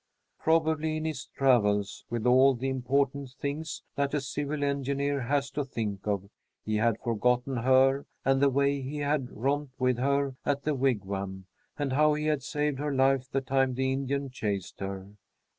Probably in his travels, with all the important things that a civil engineer has to think of, he had forgotten her and the way he had romped with her at the Wigwam, and how he had saved her life the time the Indian chased her.